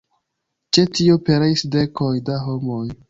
Ĉe tio pereis dekoj da homoj.